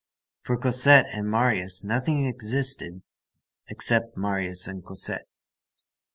For Cosette and Marius nothing existed except Marius and Cosette.